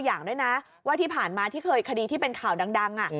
พูดไปแล้วแบบเหมือนเสียงสั่น